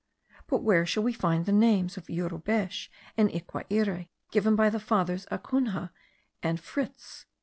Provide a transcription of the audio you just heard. But where shall we find the names of Yurubesh and Iquiare, given by the Fathers Acunha and Fritz?